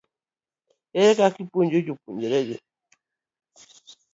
ere kaka ipuonjo jopuonjregi?